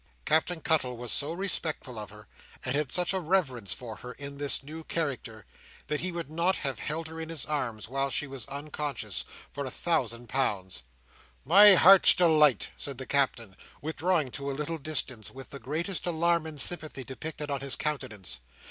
Captain Cuttle was so respectful of her, and had such a reverence for her, in this new character, that he would not have held her in his arms, while she was unconscious, for a thousand pounds. "My Heart's Delight!" said the Captain, withdrawing to a little distance, with the greatest alarm and sympathy depicted on his countenance.